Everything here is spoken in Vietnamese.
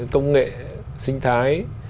công nghệ sinh thái